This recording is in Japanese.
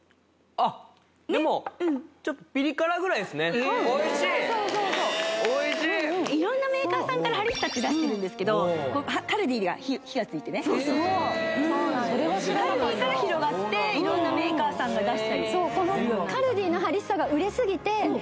あっでも・うんそうそうそうそうおいしいおいしい色んなメーカーさんからハリッサって出してるんですけどカルディが火がついてね・そうそうカルディから広がって色んなメーカーさんが出したりそうこのスーパーであれ？